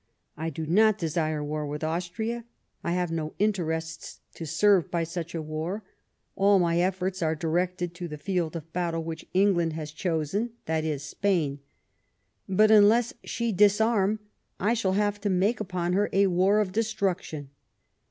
... I do not desire war with Austria ; I have no interests to serve by such a war ; all my efforts are directed to the field of battle which England has chosen, that is, Spain. But, unless she disarm, I shall have to make upon her a war of destruction."